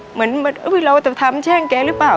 เหมือนเราจะทำแช่งแกหรือเปล่า